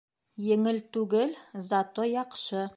Еңел түгел, зато яҡшы...